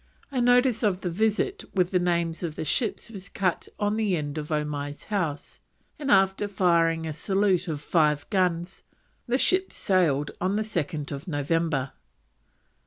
A notice of the visit with the names of the ships was cut on the end of Omai's house, and, after firing a salute of five guns, the ships sailed on 2nd November.